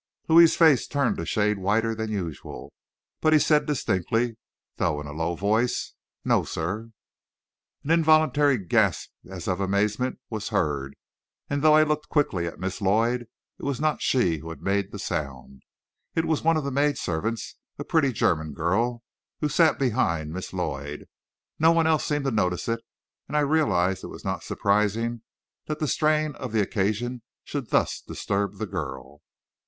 Louis's face turned a shade whiter than usual, but he said distinctly, though in a low voice, "No, sir." An involuntary gasp as of amazement was heard, and though I looked quickly at Miss Lloyd, it was not she who had made the sound. It was one of the maidservants, a pretty German girl, who sat behind Miss Lloyd. No one else seemed to notice it, and I realized it was not surprising that the strain of the occasion should thus disturb the girl.